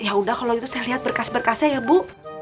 ya udah kalau itu saya lihat berkas berkasnya ya bu